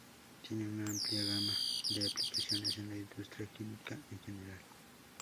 Tiene una amplia gama de aplicaciones en la industria química en general.